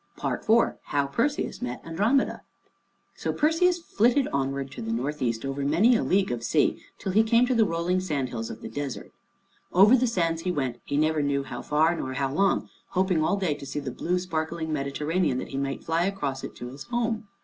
IV HOW PERSEUS MET ANDROMEDA So Perseus flitted onward to the north east, over many a league of sea, till he came to the rolling sandhills of the desert. Over the sands he went, he never knew how far nor how long, hoping all day to see the blue sparkling Mediterranean, that he might fly across it to his home.